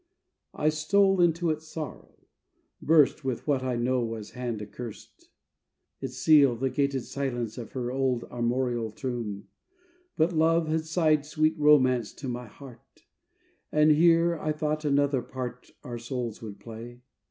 I stole into its sorrow; burst, With what I know was hand accursed, Its seal, the gated silence of Her old armorial tomb: but love Had sighed sweet romance to my heart; And here, I thought, another part Our souls would play.